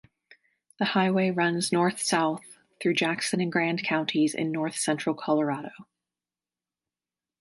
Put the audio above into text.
The highway runs north-south through Jackson and Grand counties in north central Colorado.